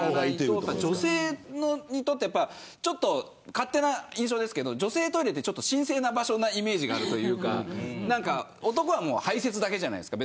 勝手な印象ですけど女性のトイレは神聖な場所のイメージがあるというか男は排せつだけじゃないですか。